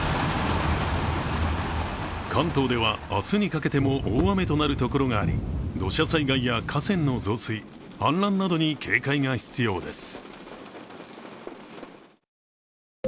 関東では、明日にかけても大雨となるところがあり、土砂災害や河川の増水氾濫などに警戒が必要です。